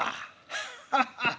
ハッハハ。